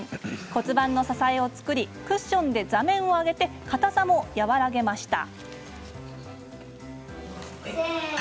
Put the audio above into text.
骨盤の支えを作りクッションで座面を上げ硬さも和らげました。